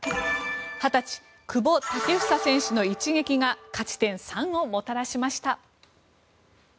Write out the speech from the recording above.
２０歳、久保建英選手の一撃が勝ち点３をもたらしました。